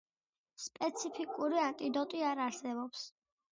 სპეციფიკური ანტიდოტი არ არსებობს.